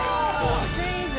６０００円以上？